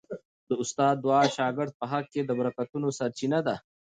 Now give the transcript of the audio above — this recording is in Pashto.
د استاد دعا د شاګرد په حق کي د برکتونو سرچینه ده.